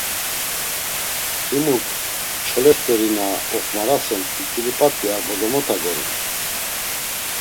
Himuk, çole st̆eri na oxmarasen t̆it̆ilip̌at̆i ar bozomota gorums.